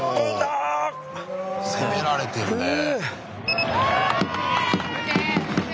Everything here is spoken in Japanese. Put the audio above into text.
攻められてるねえ。